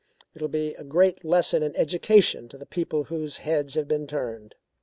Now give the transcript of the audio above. "It will be a great lesson and education to the people whose heads have been turned.